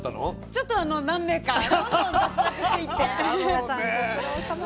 ちょっと何名かどんどん脱落していって。だろうね。